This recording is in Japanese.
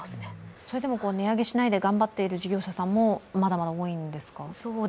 それでも値上げしないで頑張っている事業者さんも、まだまだ多いんですか？